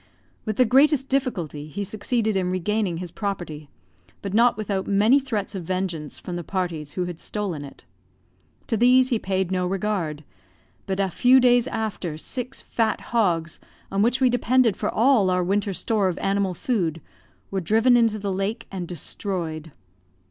With the greatest difficulty he succeeded in regaining his property, but not without many threats of vengeance from the parties who had stolen it. To these he paid no regard; but a few days after, six fat hogs, on which we depended for all our winter store of animal food, were driven into the lake, and destroyed.